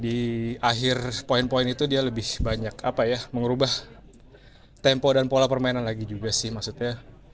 di akhir poin poin itu dia lebih banyak apa ya mengubah tempo dan pola permainan lagi juga sih maksudnya